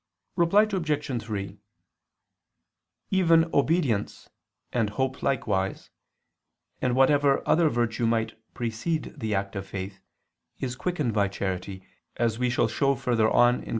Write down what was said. Reply Obj. 3: Even obedience, and hope likewise, and whatever other virtue might precede the act of faith, is quickened by charity, as we shall show further on (Q.